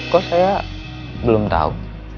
kok saya belum tahu